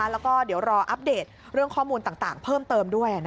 แล้วก็เดี๋ยวรออัปเดตเรื่องข้อมูลต่างเพิ่มเติมด้วย